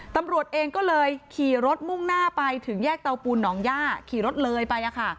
ตำรวจเองก็เลยขี่รถมุ่งหน้าไปถึงแยกเตาปูนหนองย่าขี่รถเลยไป